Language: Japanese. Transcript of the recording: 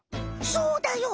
そうだよ！